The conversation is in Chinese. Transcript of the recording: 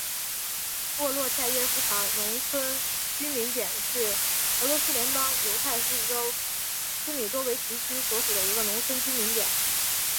沃洛恰耶夫卡农村居民点是俄罗斯联邦犹太自治州斯米多维奇区所属的一个农村居民点。